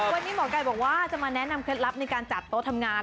วันนี้หมอไก่บอกว่าจะมาแนะนำเคล็ดลับในการจัดโต๊ะทำงาน